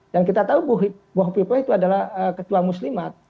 dan kita tahu bu hopipa itu adalah ketua muslimat